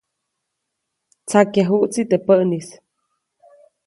Tsakyajuʼtsi teʼ päʼnis.